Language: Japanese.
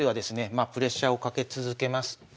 まあプレッシャーをかけ続けます。